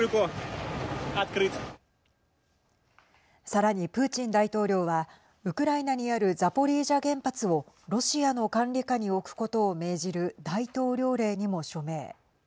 さらに、プーチン大統領はウクライナにあるザポリージャ原発をロシアの管理下に置くことを命じる大統領令にも署名。